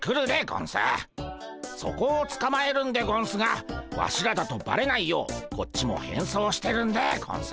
そこをつかまえるんでゴンスがワシらだとバレないようこっちも変装してるんでゴンス。